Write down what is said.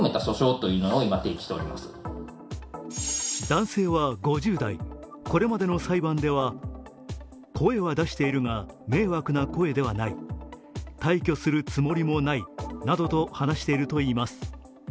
男性は５０代、これまでの裁判では声は出しているが、迷惑な声ではない、退去するつもりもないなどと話しているといいます。